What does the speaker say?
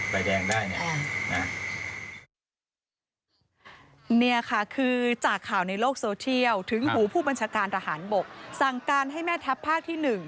เนี่ยค่ะคือจากข่าวในโลกโซเชียลถึงหูผู้บัญชาการทหารบกสั่งการให้แม่ทัพภาคที่หนึ่ง